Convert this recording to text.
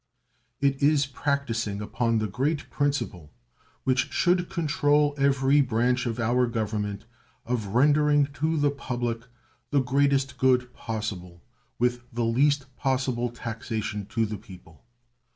It is practicing upon the great principle which should control every branch of our Government of rendering to the public the greatest good possible with the least possible taxation to the people.